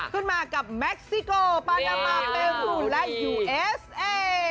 ขึ้นมากับแม็กซิโกปานามาเปรูและยูเอสเอ